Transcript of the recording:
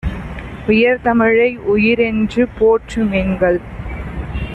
உயர்தமிழை உயிர்என்று போற்று மின்கள்!